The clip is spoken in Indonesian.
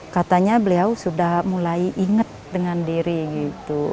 katanya beliau sudah mulai ingat dirinya